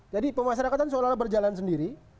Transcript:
jadi pemasarakatan seolah olah berjalan sendiri